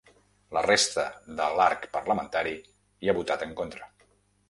La resta de l’arc parlamentari hi ha votat en contra.